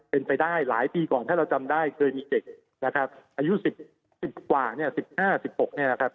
เป็นไปได้หลายปีก่อนถ้าเราจำได้เคยมีเด็กนะครับอายุ๑๐กว่าเนี่ย๑๕๑๖เนี่ยนะครับ